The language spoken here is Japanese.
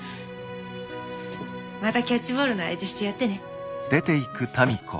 またキャッチボールの相手してやってね。